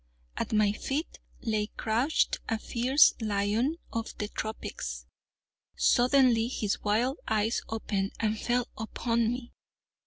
At my feet lay crouched a fierce lion of the tropics. Suddenly his wild eyes opened and fell upon me.